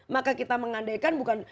maka kita mengandaikan bukan